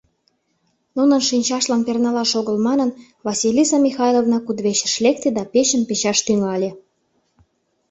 Нунын шинчаштлан пернылаш огыл манын, Василиса Михайловна кудывечыш лекте да печым печаш тӱҥале.